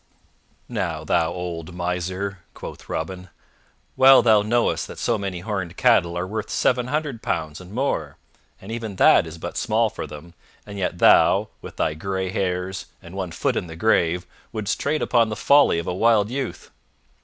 "Now thou old miser!" quoth Robin, "well thou knowest that so many horned cattle are worth seven hundred pounds and more, and even that is but small for them, and yet thou, with thy gray hairs and one foot in the grave, wouldst trade upon the folly of a wild youth."